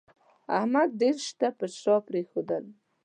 احمد ډېر شته پر شا پرېښول